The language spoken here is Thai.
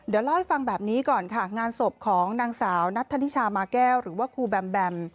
เดี๋ยวเล่าให้ฟังแบบนี้ก่อนค่ะงานศพของนางสาวนัทธนิชามาแก้วหรือว่าครูแบมแบม